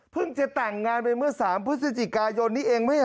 เพิ่งจะต่างงานบิงเมื่อสามพุศจิกายนนี้เองไหม